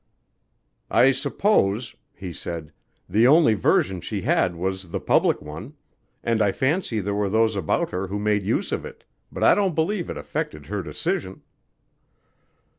"I suppose," he said, "the only version she had was the public one, and I fancy there were those about her who made use of it, but I don't believe it affected her decision."